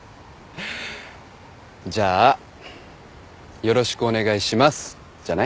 じゃあ「よろしくお願いします」じゃない？